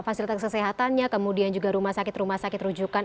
fasilitas kesehatannya kemudian juga rumah sakit rumah sakit rujukan